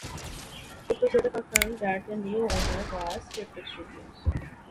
It was later confirmed that the new owner was Cryptic Studios.